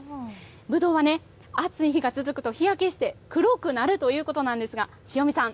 ぶどうはね暑い日が続くと日焼けして黒くなるということなんですが塩見さん。